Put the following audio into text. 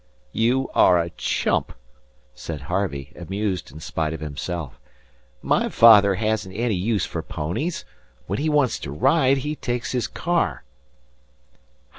"You are a chump!" said Harvey, amused in spite of himself. "My father hasn't any use for ponies. When he wants to ride he takes his car."